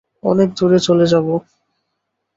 অনেক দূরে চলে যাবো।